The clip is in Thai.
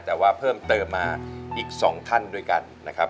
แต่ว่าเพิ่มเติมมาอีก๒ท่านด้วยกันนะครับ